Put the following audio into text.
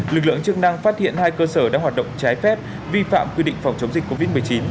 lực lượng chức năng phát hiện hai cơ sở đang hoạt động trái phép vi phạm quy định phòng chống dịch covid một mươi chín